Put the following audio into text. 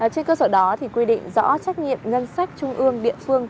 trên cơ sở đó thì quy định rõ trách nhiệm ngân sách trung ương địa phương